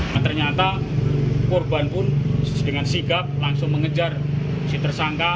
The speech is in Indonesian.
nah ternyata korban pun dengan sigap langsung mengejar si tersangka